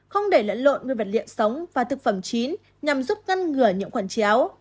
không để lẫn lộn nguyên vật liện sống và thực phẩm chín nhằm giúp ngăn ngừa những quần chéo